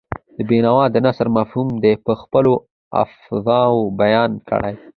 د بېنوا د نثر مفهوم دې په خپلو الفاظو بیان کړي.